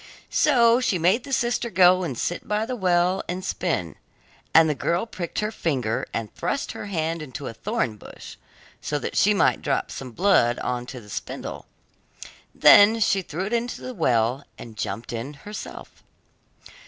So she made the sister go and sit by the well and spin, and the girl pricked her finger and thrust her hand into a thorn bush, so that she might drop some blood on to the spindle; then she threw it into the well, and jumped in herself.